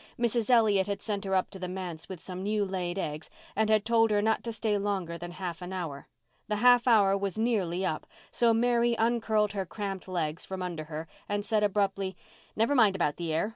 Mrs. Elliott had sent her up to the manse with some new laid eggs, and had told her not to stay longer than half an hour. The half hour was nearly up, so Mary uncurled her cramped legs from under her and said abruptly, "Never mind about the air.